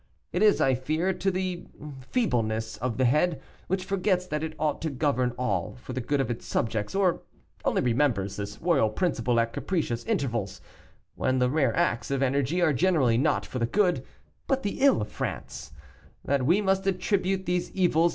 It is, I fear, to the feebleness of the head, which forgets that it ought to govern all for the good of its subjects, or only remembers this royal principle at capricious intervals, when the rare acts of energy are generally not for the good, but the ill of France, that we must attribute these evils.